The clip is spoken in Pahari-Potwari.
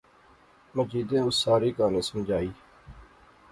مجیدیں اس ساری کہاںی سمجھائی